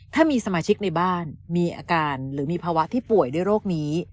ถ้ามีสมาชิกในบ้านมีอาการหรือมีภาวะที่ป่วยด้วยโรคนี้